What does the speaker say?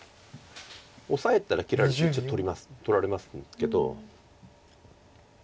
オサえたら切られて取られますけど。